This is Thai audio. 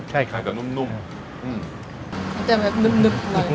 ใช่ค่ะก็นุ่มนุ่มอืมแต่แม้ลูกนึ่มเลย